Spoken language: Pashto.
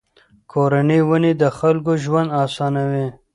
کورني ونې د خلکو ژوند آسانوي.